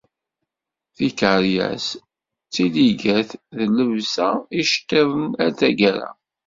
Tikeṛyas, d lligat, d llebsa, iceṭṭiḍen, atg.